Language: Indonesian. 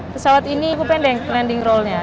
pesawat ini cukup pendek landing roll nya